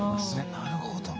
なるほど。